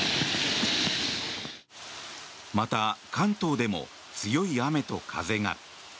また、関東でも強い雨と風が。